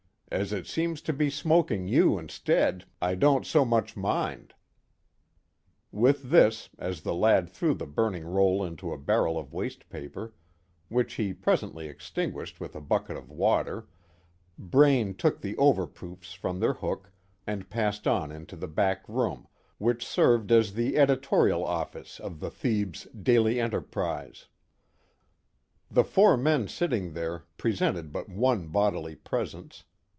As it seems to be smoking you instead, I don't so much mind." With this, as the lad threw the burning roll into a barrel of waste paper which he presently extinguished with a bucket of water Braine took the over proofs from their hook, and passed on into the back room, which served as the editorial office of the Thebes Daily Enterprise. The four men sitting there presented but one bodily presence.